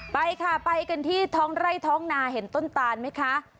ไปค่ะไปกันที่ท้องไร่ท้องนาเห็นต้นตานไหมคะ